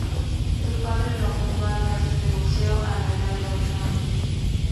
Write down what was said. Su padre lo apuntó a clases de boxeo a la edad de ocho años.